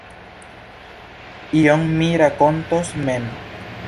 Ion mi rakontos mem.